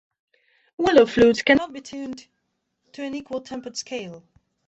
Willow flutes cannot be tuned to an equal tempered scale.